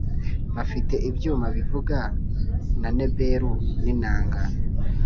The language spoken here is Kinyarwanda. bafite ibyuma bivuga na neberu n’inanga,